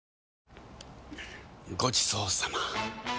ＪＴごちそうさま！